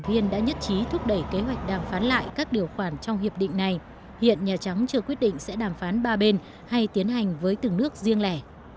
viên đã nhất trí thúc đẩy kế hoạch đàm phán lại các điều khoản trong hiệp định này hiện nhà trắng chưa quyết định sẽ đàm phán ba bên hay tiến hành với từng nước riêng lẻ